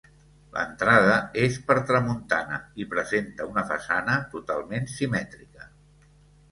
L'entrada és per tramuntana i presenta una façana totalment simètrica.